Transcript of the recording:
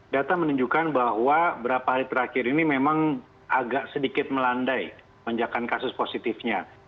data menunjukkan bahwa beberapa hari terakhir ini memang agak sedikit melandai lonjakan kasus positifnya